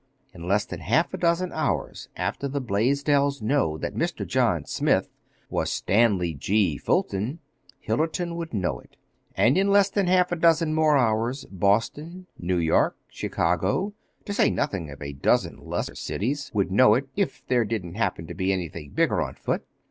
In less than half a dozen hours after the Blaisdells knew that Mr. John Smith was Stanley G. Fulton, Hillerton would know it. And in less than half a dozen more hours, Boston, New York, Chicago,—to say nothing of a dozen lesser cities,—would know it—if there didn't happen to be anything bigger on foot.